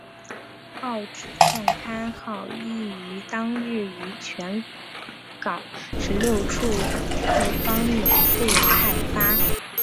报纸创刊号亦于当日于全港十六处地方免费派发。